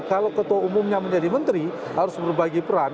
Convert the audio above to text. kalau ketua umumnya menjadi menteri harus berbagi peran